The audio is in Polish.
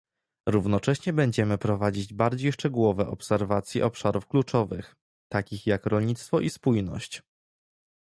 Równocześnie będziemy prowadzić bardziej szczegółowe obserwacje obszarów kluczowych, takich jak rolnictwo i spójność